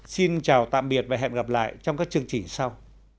xin chào tạm biệt và hẹn gặp lại trong các chương trình sau